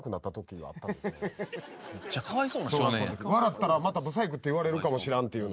笑ったらまたブサイクって言われるかもしらんっていうのが。